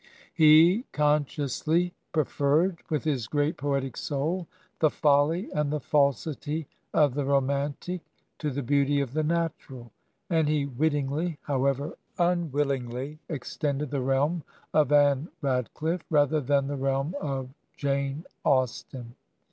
He consciously pre ferred, with his great poetic soul, the folly and the falsity of the romantic to the beauty of the natural, and he wittingly, however unwillingly, extended the realm of Anne Radclifife rather than the realm of Jane Austen.